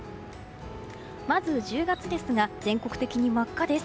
まず、１０月ですが全国的に真っ赤です。